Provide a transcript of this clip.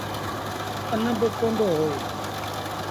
اَن با ڪوندو هوئي۔